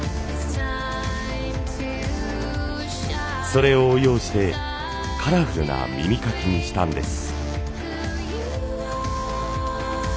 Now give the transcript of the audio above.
それを応用してカラフルな耳かきにしたんです。